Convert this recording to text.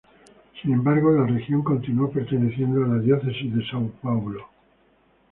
Sin embargo la región continuó perteneciendo a la diócesis de São Paulo.